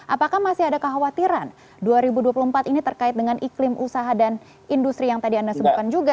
apakah masih ada kekhawatiran dua ribu dua puluh empat ini terkait dengan iklim usaha dan industri yang tadi anda sebutkan juga